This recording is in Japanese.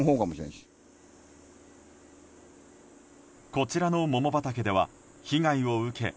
こちらの桃畑では被害を受け